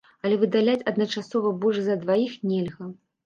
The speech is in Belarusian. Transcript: Але выдаляць адначасова больш за дваіх нельга.